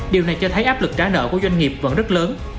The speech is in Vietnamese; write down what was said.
điều này cho thấy áp lực trả nợ của doanh nghiệp vẫn rất lớn